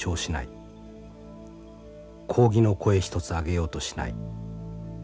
抗議の声一つ上げようとしない。